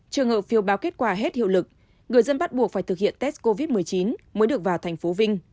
trường hợp phiêu báo kết quả hết hiệu lực người dân bắt buộc phải thực hiện test covid một mươi chín mới được vào thành phố vinh